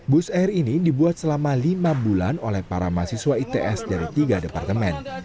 bus air ini dibuat selama lima bulan oleh para mahasiswa its dari tiga departemen